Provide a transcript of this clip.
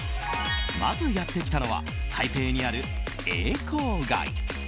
まずやってきたのは台北にある永康街。